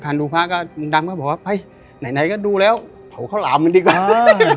ดูพระก็ลุงดำก็บอกว่าไปไหนก็ดูแล้วเผาข้าวหลามมันดีกว่า